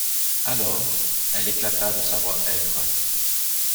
Alors, elle éclata de sa voix aigre.